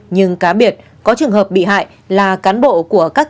nhưng cá biệt có trường hợp bị hại là cán bộ của các cơ quan nhà nước